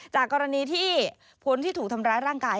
จากกรณีที่คนที่ถูกทำร้ายร่างกาย